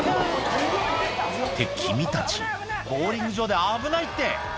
君たち、ボウリング場で危ないって。